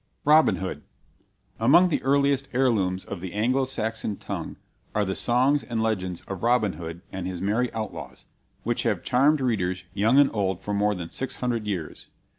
ROBIN HOOD Among the earliest heirlooms of the Anglo Saxon tongue are the songs and legends of Robin Hood and his merry outlaws, which have charmed readers young and old for more than six hundred years.